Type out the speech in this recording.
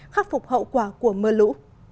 khắc phục hậu quả của mưa lũ